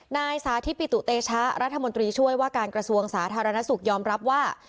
นายสาธิตปิตุเตชะรัฐมนตรีช่วยว่าการกระทรวงสาธารณสุขยอมรับว่า